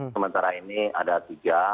sementara ini ada tiga